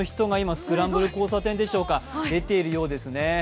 スクランブル交差点でしょうか、出ているようですね。